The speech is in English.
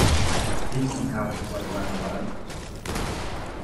This is how the program works.